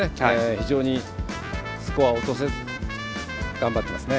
非常にスコアを落とさず頑張っていますね。